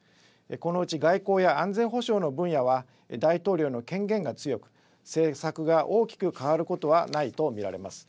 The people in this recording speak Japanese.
このうち外交や安全保障の分野は大統領の権限が強く、政策が大きく変わることはないと見られます。